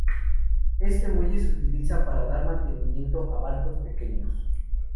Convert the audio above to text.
Este muelle se utiliza para dar mantenimiento a barcos pequeños.